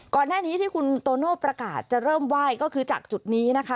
ก่อนหน้านี้ที่คุณโตโน่ประกาศจะเริ่มไหว้ก็คือจากจุดนี้นะคะ